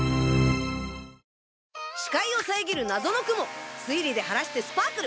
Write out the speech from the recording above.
視界を遮る謎の雲推理で晴らしてスパークル！